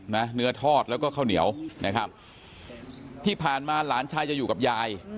เนื้อทอดแล้วก็ข้าวเหนียวนะครับที่ผ่านมาหลานชายจะอยู่กับยาย